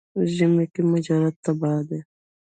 ژمي کې مجرد تبا دی.